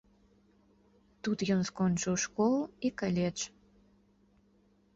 Тут ён скончыў школу і каледж.